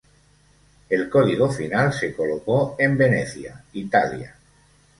El código final se colocó en Venecia, Italia.